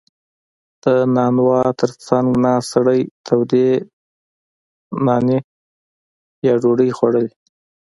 • د نانوا تر څنګ ناست سړی تودې نانې خوړلې.